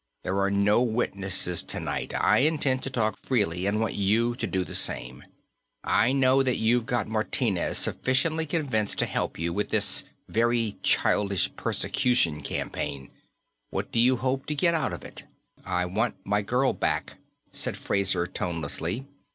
There are no witnesses tonight. I intend to talk freely, and want you to do the same. I know that you've got Martinez sufficiently convinced to help you with this very childish persecution campaign. What do you hope to get out of it?" "I want my girl back," said Fraser tonelessly.